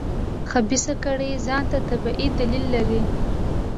خبیثه کړۍ ځان ته طبیعي دلایل لري.